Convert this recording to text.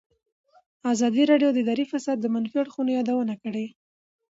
ازادي راډیو د اداري فساد د منفي اړخونو یادونه کړې.